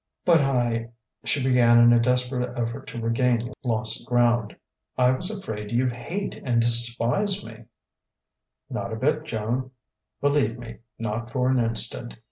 "But I," she began in a desperate effort to regain lost ground "I was afraid you'd hate and despise me " "Not a bit, Joan believe me, not for an instant.